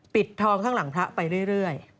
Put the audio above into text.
ปิดทองข้างหลังพระไปเรื่อย